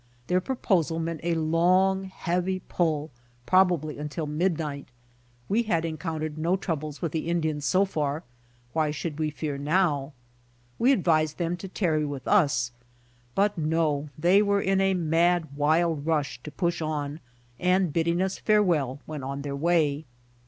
Their proposal meant a long heavy pull probably until midnight. We had encountered no troubles with the Indians so far, why should we fear now? We advised them to tarry 86 BY ox TEAM TO CALIFORNIA with us. But no, they were in a mad, wild rush to push on and bidding us farewell, went on their way.